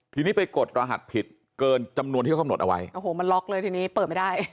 ทีนี้ไปกดรหัสผิดเกินจำนวนที่เข้าคำหนดเอาไว้